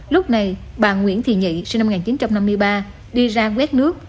lúc này bà nguyễn thị nhị sinh năm một nghìn chín trăm năm mươi ba đi ra quét nước